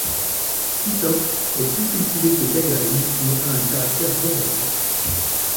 Titov est plus cultivé que Gagarine, mais a un caractère rebelle.